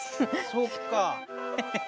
そっか。